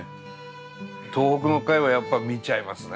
東北の回はやっぱ見ちゃいますね。